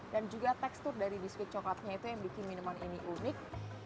dan juga tekstur dari biskuit coklatnya itu yang bikin minuman ini unik